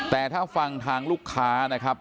แต่ถ้าฟังทางลูกค้านะครับ